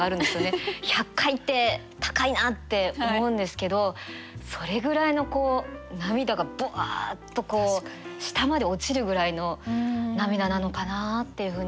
１００階って高いなって思うんですけどそれぐらいの涙がぶわっと下まで落ちるぐらいの涙なのかなっていうふうに想像しました。